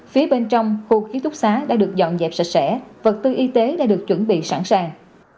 phía bên trong khu ký túc xá đã được dọn dẹp sạch sẽ vật tư y tế đã được chuẩn bị sẵn sàng